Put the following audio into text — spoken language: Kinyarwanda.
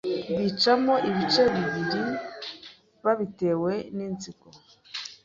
bicamo ibice bibiri babitewe n’inzigo